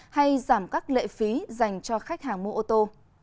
hay giảm các lệ phí dành cho khách hàng mua ô tô